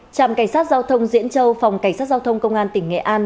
trạm cảnh sát giao thông diễn châu phòng cảnh sát giao thông công an tỉnh nghệ an